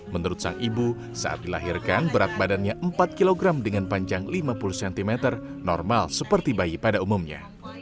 menurut sang ibu saat dilahirkan berat badannya empat kg dengan panjang lima puluh cm normal seperti bayi pada umumnya